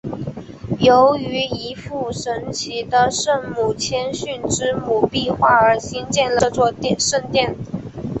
由于一幅神奇的圣母谦逊之母壁画而兴建了这座圣殿。